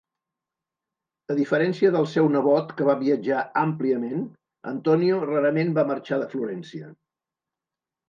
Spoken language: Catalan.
A diferència del seu nebot, que va viatjar àmpliament, Antonio rarament va marxar de Florència.